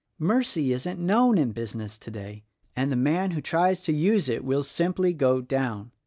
Mercy isn't known in business today; and the man who tries to use it will simply go down.